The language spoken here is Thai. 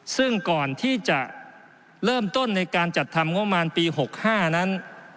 ซึ่งก่อนที่จะเริ่มต้นในการจัดทำงบประมาณปี๖๕นั้น